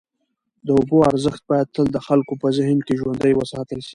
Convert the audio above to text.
د اوبو ارزښت باید تل د خلکو په ذهن کي ژوندی وساتل سي.